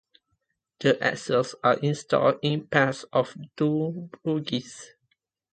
The axles are installed in pairs on two bogies.